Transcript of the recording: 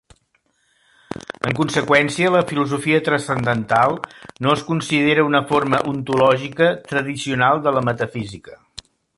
En conseqüència, la filosofia transcendental no es considera una forma ontològica tradicional de la metafísica.